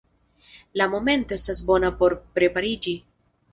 La momento estas bona por prepariĝi.